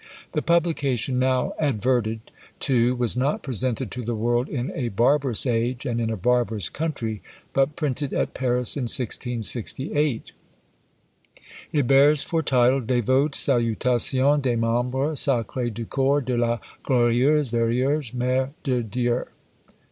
The publication now adverted to was not presented to the world in a barbarous age and in a barbarous country, but printed at Paris in 1668. It bears for title, Dévote Salutation des Membres sacres du Corps de la Glorieuse Vièrge, Mère de Dieu.